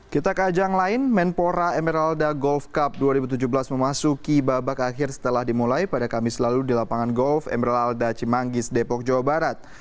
kita ke ajang lain menpora emerald golf cup dua ribu tujuh belas memasuki babak akhir setelah dimulai pada kamis lalu di lapangan golf emerald cimanggis depok jawa barat